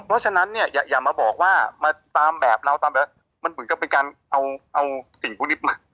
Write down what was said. เพราะฉะนั้นเนี่ยอย่ามาบอกว่ามาตามแบบเราตามแบบมันเหมือนกับเป็นการเอาสิ่งพวกนี้มา